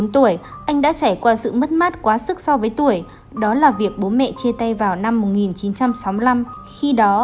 bốn mươi tuổi anh đã trải qua sự mất mát quá sức so với tuổi đó là việc bố mẹ chia tay vào năm một nghìn chín trăm sáu mươi năm khi đó